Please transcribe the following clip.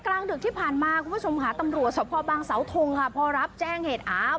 กลางดึกที่ผ่านมาคุณผู้ชมค่ะตำรวจสภบางเสาทงค่ะพอรับแจ้งเหตุอ้าว